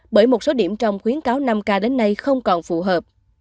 bởi một số điểm trong khuyến cáo năm k đến nay không còn phù hợp